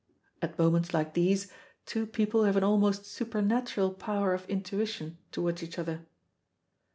At moments like these two people have an almost supernatural power of intuition towards each other.